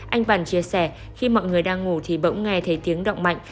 anh vằn chia sẻ khi mọi người đang ngủ thì bỗng nghe thấy tiếng động mạnh